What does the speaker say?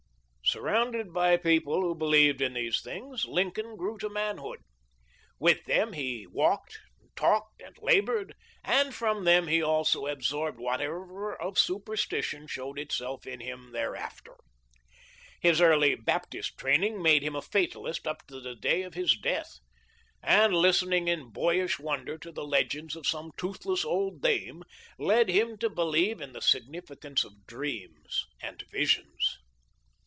Surrounded by people who believed in these things, Lincoln grew to manhood. With them he walked, talked, and labored, and from them he also absorbed whatever of superstition showed itself in him thereafter. His early Baptist training made him a fatalist up to the day of his death, and, listening in boyish wonder to the legends of some toothless old dame led him to believe in the sig nificance of dreams and visions.